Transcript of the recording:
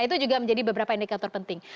itu juga menjadi beberapa indikator penting